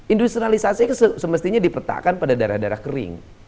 industrialisasi itu semestinya dipertahankan pada daerah daerah kering